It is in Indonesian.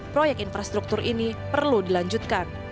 proyek infrastruktur ini perlu dilanjutkan